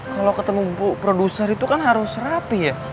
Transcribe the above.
kalau ketemu bu producer itu kan harus rapi ya